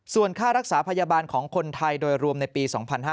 ส่วนค่ารักษาพยาบาลของคนไทยโดยรวมในปี๒๕๕๙